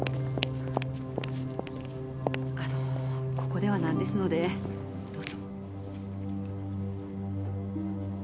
あのここではなんですのでどうぞ。